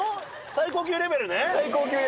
最高級レベル。